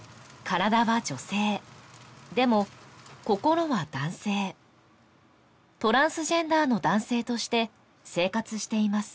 体は女性でも心は男性トランスジェンダーの男性として生活しています